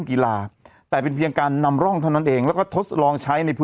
เขาบอกอย่างงั้นลองดู